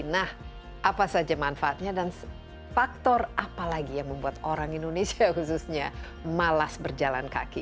nah apa saja manfaatnya dan faktor apa lagi yang membuat orang indonesia khususnya malas berjalan kaki